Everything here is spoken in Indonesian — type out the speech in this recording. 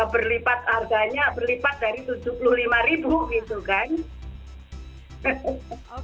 berlipat harganya berlipat dari rp tujuh puluh lima ribu gitu kan